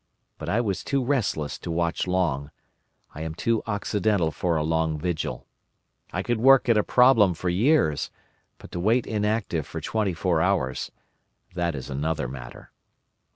But I was too restless to watch long; I am too Occidental for a long vigil. I could work at a problem for years, but to wait inactive for twenty four hours—that is another matter.